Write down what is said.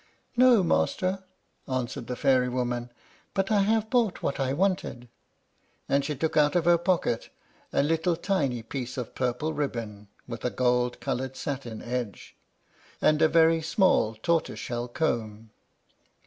"No, master," answered the fairy woman; "but I have bought what I wanted." And she took out of her pocket a little tiny piece of purple ribbon, with a gold colored satin edge, and a very small tortoise shell comb.